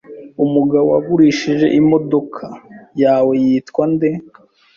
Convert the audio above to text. Umugabo wagurishije imodoka yawe yitwa nde?